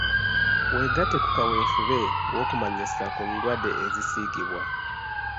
Weegatte ku kaweefube w'okumanyisa ku ndwadde ezisiigibwa.